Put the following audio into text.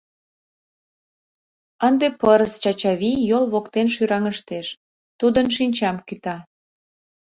Ынде пырыс Чачавий йол воктен шӱраҥыштеш, тудын шинчам кӱта.